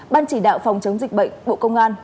ban chỉ đạo phòng chống dịch bệnh bộ công an